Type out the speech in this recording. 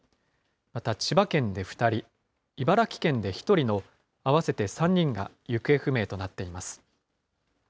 また千葉県で２人、茨城県で１人の、合わせて３人が行方不明となっています。